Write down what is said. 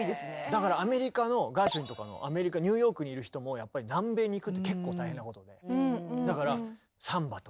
だからアメリカのガーシュウィンとかアメリカニューヨークにいる人もやっぱり南米に行くって結構大変なことで。